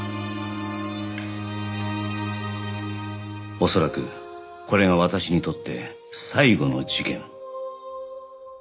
おそらくこれが私にとって最後の事件